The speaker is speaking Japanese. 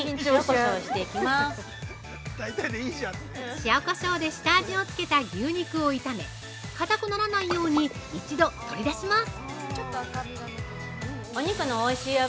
◆塩、こしょうで下味をつけた牛肉を炒めかたくならないように一度取り出します。